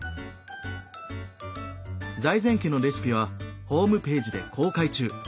財前家のレシピはホームページで公開中。